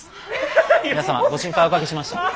皆様ご心配をおかけしました。